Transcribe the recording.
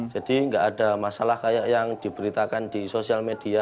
jadi nggak ada masalah kayak yang diberitakan di sosial media